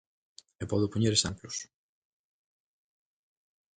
E podo poñer exemplos.